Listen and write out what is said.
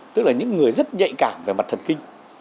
tức là những người rất nhạy cảm về mặt thần kinh